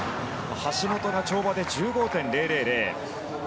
橋本が跳馬で１５．０００。